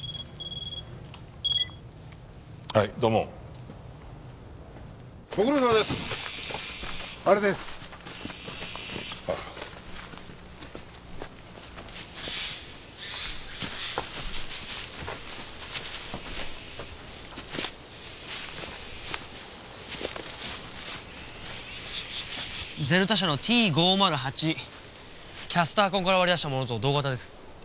キャスター痕から割り出したものと同型です。